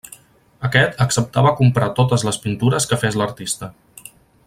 Aquest acceptava comprar totes les pintures que fes l'artista.